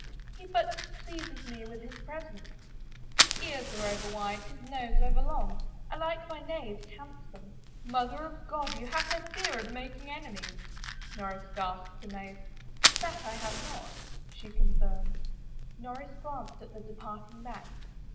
" He but displeases me with his presence — his ears are overwide, his nose overlong. I like my knaves handsome." " Mother of God, but you have no fear of making enemies I " Norris gasped, amazed. " That I have not," she confirmed. Norris glanced at the departing back.